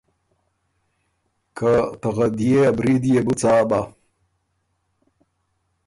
که ته غدئے ا برید يې بو څا بَۀ